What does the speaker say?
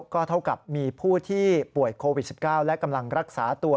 ก็เท่ากับมีผู้ที่ป่วยโควิด๑๙และกำลังรักษาตัว